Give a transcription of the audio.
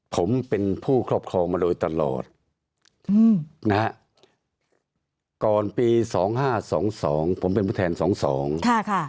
ผมเป็นผู้ครอบครองมาโดยตลอดนะ